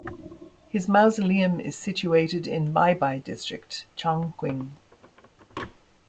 His mausoleum is situated in Beibei District, Chongqing.